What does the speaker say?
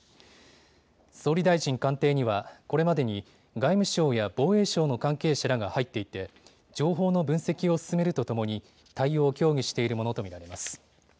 総理大臣官邸にはこれまでに外務省や防衛省の関係者らが入っていて情報の分析を進めるとともに対応を協議しているものと見られます。